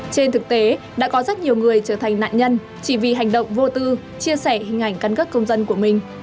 trên thực tế đã có rất nhiều người trở thành nạn nhân chỉ vì hành động vô tư chia sẻ hình ảnh căn cước công dân của mình